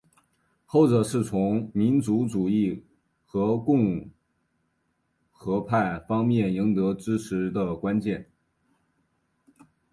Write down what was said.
后者是从民族主义和共和派方面赢得支持的关键。